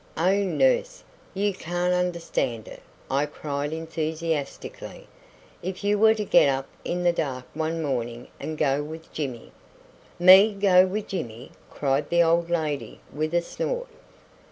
Oh, nurse, you can't understand it," I cried enthusiastically; "if you were to get up in the dark one morning and go with Jimmy " "Me go with Jimmy!" cried the old lady with a snort.